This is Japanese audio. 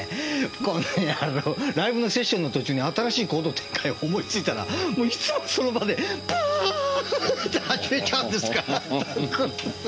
この野郎ライブのセッションの途中に新しいコード展開を思いついたらもういつもその場でプーって始めちゃうんですから。